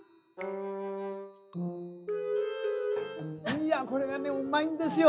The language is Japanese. いや、これがね、うまいんですよ。